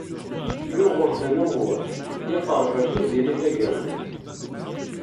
Yugurten U Muḥ iqerreb ar Tiziri Tagawawt.